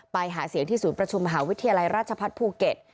ไปหาเสียงที่ศูนย์ประชุมมหาวิทยาลัยราชพัฒน์ภูเก็ต